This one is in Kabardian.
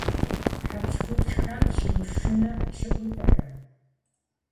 Хьэпщхупщхэм щымышынэ щыӏэу пӏэрэ?